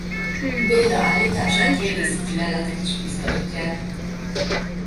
Béda állítását régészeti leletek is bizonyítják.